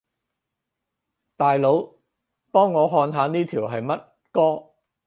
大佬，幫我看下呢條係乜歌